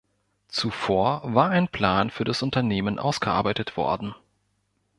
Zuvor war ein Plan für das Unternehmen ausgearbeitet worden.